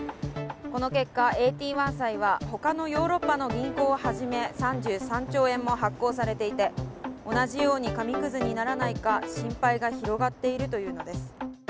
この結果、ＡＴ１債は他のヨーロッパの銀行をはじめ３３兆円も発行されていて、同じように紙くずにならないか心配が広がっているというのです。